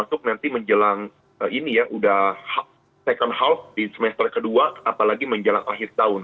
untuk nanti menjelang ini ya udah second house di semester kedua apalagi menjelang akhir tahun